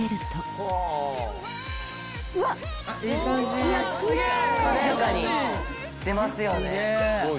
華やかに出ますよね。